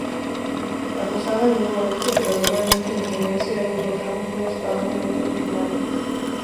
Adosada al muro oeste, pero totalmente independencia del, encontramos una espadaña de formas románicas.